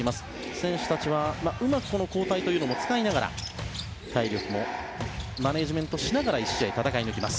選手たちはうまく交代を使いながら体力もマネジメントしながら１試合、戦い抜きます。